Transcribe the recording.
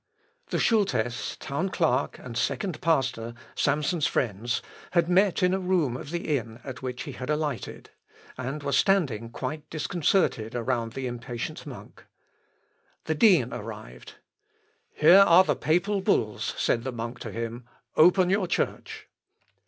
The Schulthess, town clerk, and second pastor, Samson's friends, had met in a room of the inn at which he had alighted, and were standing quite disconcerted around the impatient monk. The dean arrived "Here are the papal bulls," said the monk to him, "open your church."